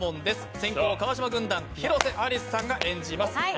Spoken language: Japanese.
先攻、川島軍団、広瀬アリスさんが演じます。